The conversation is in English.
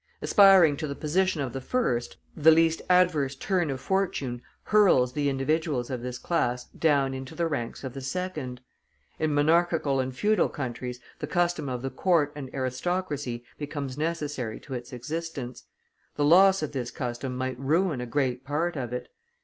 Aspiring to the position of the first, the least adverse turn of fortune hurls the individuals of this class down into the ranks of the second. In monarchical and feudal countries the custom of the court and aristocracy becomes necessary to its existence; the loss of this custom might ruin a great part of it.